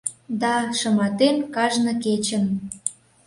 Да, шыматен, кажне кечын